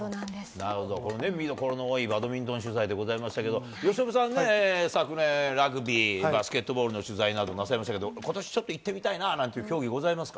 なるほど、見どころの多いバドミントン取材でございましたけれども、由伸さんね、昨年、ラグビー、バスケットボールの取材などなさいましたけど、ことし、ちょっと行ってみたいなーなんという競技ございますか？